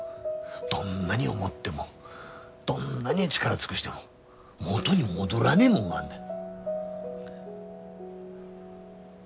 どんなに思ってもどんなに力尽くしても元に戻らねえもんがあんだよ。